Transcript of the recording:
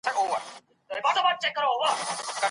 ګرانه !دا اوس ستا د ځوانۍ په خاطر